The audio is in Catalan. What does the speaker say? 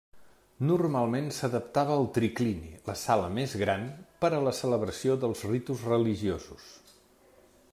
Normalment s'adaptava el triclini, la sala més gran, per a la celebració dels ritus religiosos.